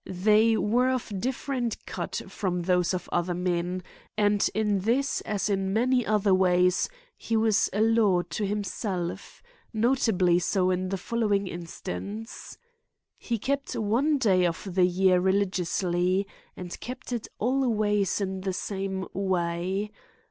They were of different cut from those of other men, and in this as in many other ways he was a law to himself; notably so in the following instance: He kept one day of the year religiously, and kept it always in the same way.